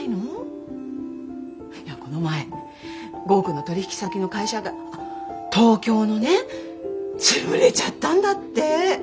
いやこの前剛くんの取引先の会社があっ東京のね潰れちゃったんだって。